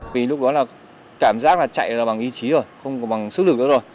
vì lúc đó là cảm giác là chạy là bằng ý chí rồi không bằng sức lực nữa rồi